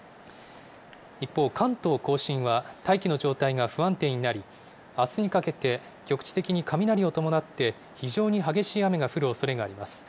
一方、関東甲信は大気の状態が不安定になり、あすにかけて局地的に雷を伴って、非常に激しい雨が降るおそれがあります。